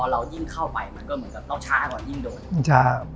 เรายิ่งเข้าไปมันก็เหมือนกับเราช้าก่อนยิ่งโดนครับ